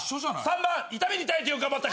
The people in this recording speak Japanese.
３番「痛みに耐えてよく頑張った。